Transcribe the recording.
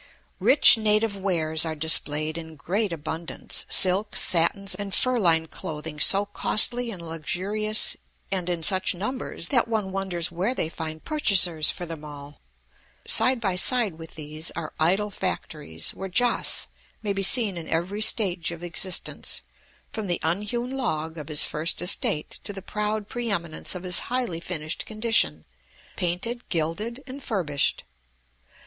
Rich native wares are displayed in great abundance, silks, satins, and fur lined clothing so costly and luxurious, and in such numbers, that one wonders where they find purchasers for them all. Side by side with these are idol factories, where Joss may be seen in every stage of existence, from the unhewn log of his first estate to the proud pre eminence of his highly finished condition, painted, gilded, and furbished.